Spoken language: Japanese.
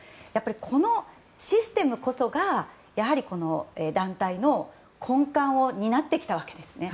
このシステムこそがやはり団体の根幹を担ってきたわけですね。